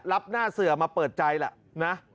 รับหน้าเสือมาเปิดใจแหละนะ